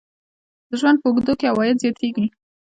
د ژوند په اوږدو کې عواید زیاتیږي.